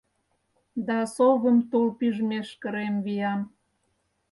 Да совым тул пижмеш кырем виян...